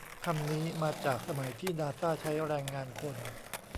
คำนี้มาจากสมัยที่นาซ่าใช้แรงงานคน